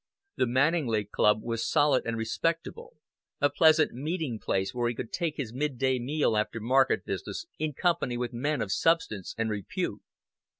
The Manninglea Club was solid and respectable, a pleasant meeting place where he could take his midday meal after market business in company with men of substance and repute.